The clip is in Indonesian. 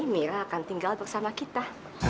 mira akan tinggal bersama kita